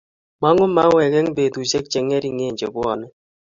mangu mauwek eng betushiek chengering chebwone